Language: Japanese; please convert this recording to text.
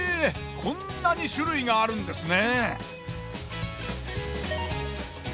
こんなに種類があるんですね。